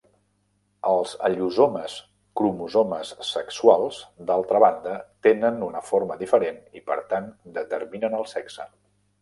Els allosomes cromosomes sexuals, d'altra banda, tenen una forma diferent i per tant determinen el sexe.